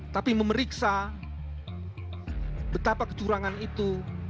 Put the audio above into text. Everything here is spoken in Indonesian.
tapi memeriksa betapa kecurangan itu